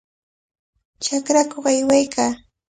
Chakrakuq aywaykaa.